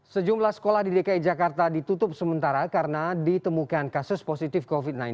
sejumlah sekolah di dki jakarta ditutup sementara karena ditemukan kasus positif covid sembilan belas